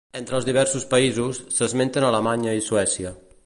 Entre els diversos països, s'esmenten Alemanya i Suècia.